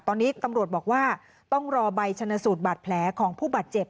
ตอนนี้ตำรวจบอกว่าต้องรอใบชนสูตรบาดแผลของผู้บาดเจ็บ